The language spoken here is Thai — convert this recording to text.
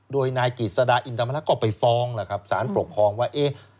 โดยนายกิจศาดาอินธรรมละก็ไปฟ้องสารปกครองว่า